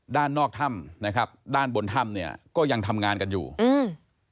ด้านนอกถ้ำนะครับด้านบนถ้ำเนี่ยก็ยังทำงานกันอยู่อืม